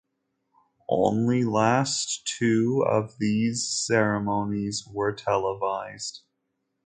Only last two of these ceremonies were televised.